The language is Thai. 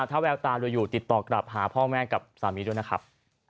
ถ้าแววตาดูอยู่ติดต่อกลับหาพ่อแม่กับสามีด้วยนะครับ